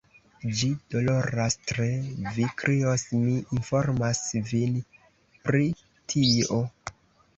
Ĝi doloras tre; vi krios, mi informas vin pri tio.